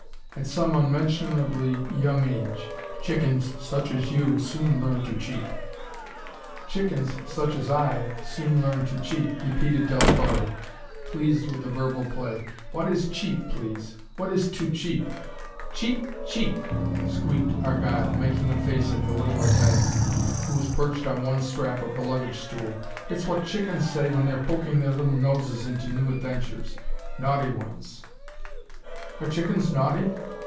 "At some unmentionably young age. Chickens such as you soon learn to cheep." "Chickens such as I soon learn to cheap," repeated Del Torre, pleased with the verbal play. "What is cheap, please? What is TO CHEAP?" "Cheep! Cheep!" squeaked Argyle, making a face at the little Italian, who was perched on one strap of the luggage stool. "It's what chickens say when they're poking their little noses into new adventures naughty ones." "Are chickens naughty?